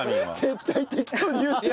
絶対適当に言ってる！